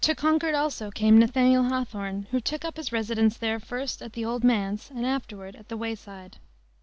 To Concord also came Nathaniel Hawthorne, who took up his residence there first at the "Old Manse," and afterward at "The Wayside."